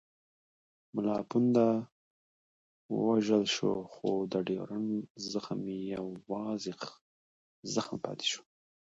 ملا پونده ووژل شو خو د ډیورنډ زخم یوازې زخم پاتې شو.